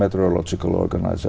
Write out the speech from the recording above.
anh có bao giờ cố gắng